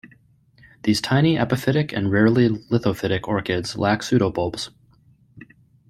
These tiny epiphytic and rarely lithophytic orchids lack pseudobulbs.